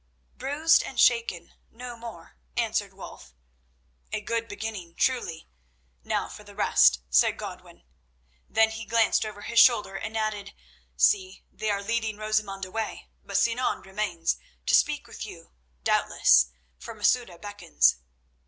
"Bruised and shaken—no more," answered Wulf. "A good beginning, truly. Now for the rest," said Godwin. Then he glanced over his shoulder, and added, "See, they are leading Rosamund away, but Sinan remains, to speak with you doubtless, for Masouda beckons."